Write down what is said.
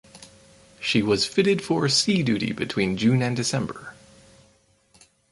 She was fitted for sea duty between June and December.